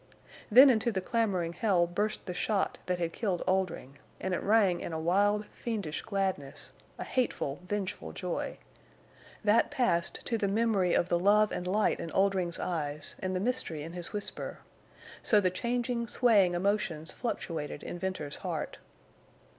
Then into the clamoring hell burst the shot that had killed Oldring, and it rang in a wild fiendish gladness, a hateful, vengeful joy. That passed to the memory of the love and light in Oldring's eyes and the mystery in his whisper. So the changing, swaying emotions fluctuated in Venters's heart.